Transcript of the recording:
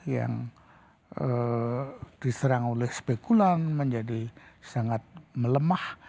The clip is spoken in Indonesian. yang diserang oleh spekulan menjadi sangat melemah